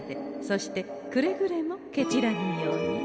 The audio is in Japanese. そしてくれぐれもケチらぬように。